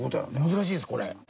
難しいですこれ。